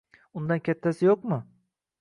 Undan kattasi yo‘qmi?